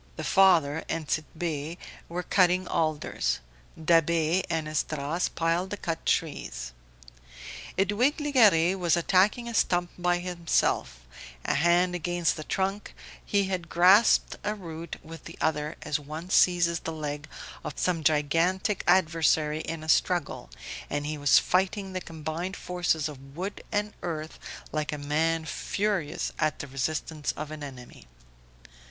The father and Tit'Bé were cutting alders, Da'Be and Esdras piled the cut trees. Edwige Legare was attacking a stump by himself; a hand against the trunk, he had grasped a root with the other as one seizes the leg of some gigantic adversary in a struggle, and he was fighting the combined forces of wood and earth like a man furious at the resistance of an enemy.